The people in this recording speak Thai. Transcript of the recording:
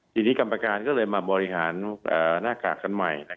ทีนี้กรรมการก็เลยมาบริหารหน้ากากกันใหม่